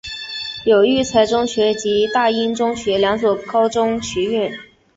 有育才中学及大英中学两所高中学院。